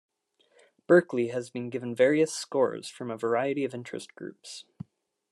Berkley has been given various scores from a variety of interest groups.